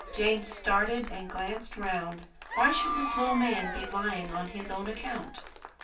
Jane started and glanced round. Why should this little man be lying on his own account?